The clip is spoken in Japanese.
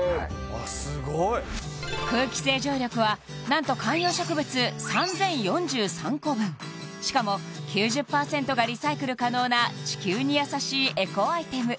あっすごいウソ空気清浄力は何と観葉植物３０４３個分しかも９０％がリサイクル可能な地球に優しいエコアイテム